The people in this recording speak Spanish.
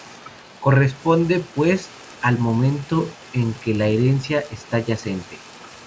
Corresponde, pues, al momento en que la herencia está yacente.